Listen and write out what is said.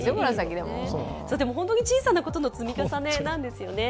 本当に小さなことの積み重ねなんですよね。